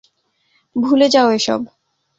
ভুলে যাও এসব।